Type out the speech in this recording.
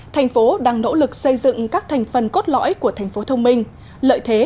thành phố đang nỗ lực xây dựng các thành phần cốt lõi của thành phố thông minh lợi thế